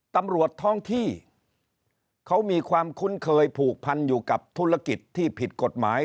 ตำรวจท้องที่เขามีความคุ้นเคยผูกพันอยู่กับธุรกิจที่ผิดกฎหมาย